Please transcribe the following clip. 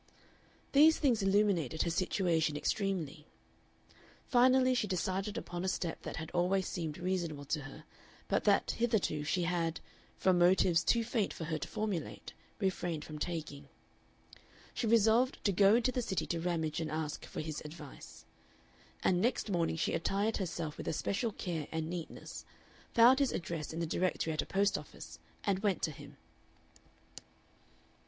These things illuminated her situation extremely. Finally she decided upon a step that had always seemed reasonable to her, but that hitherto she had, from motives too faint for her to formulate, refrained from taking. She resolved to go into the City to Ramage and ask for his advice. And next morning she attired herself with especial care and neatness, found his address in the Directory at a post office, and went to him.